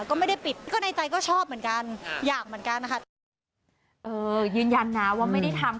ก็ไม่ได้ปิดก็ในใจก็ชอบเหมือนกันอยากเหมือนกันนะคะแต่เออยืนยันนะว่าไม่ได้ทำ